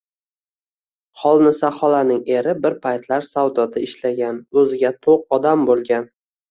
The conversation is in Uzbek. Xolnisa xolaning eri bir paytlar savdoda ishlagan o`ziga to`q odam bo`lgan